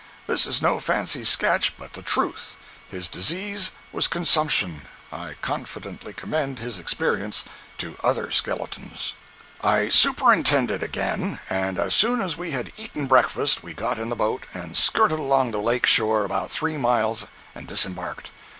This is no fancy sketch, but the truth. His disease was consumption. I confidently commend his experience to other skeletons. 170.jpg (19K) 171.jpg (34K) I superintended again, and as soon as we had eaten breakfast we got in the boat and skirted along the lake shore about three miles and disembarked.